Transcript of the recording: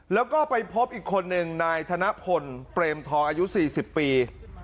แล้วก็ไปพบอีกคนหนึ่งนายธนพลเปรมทองอายุ๔๐ปี